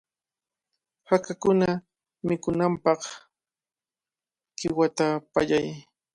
Hakakuna mikunanpaq qiwata pallay.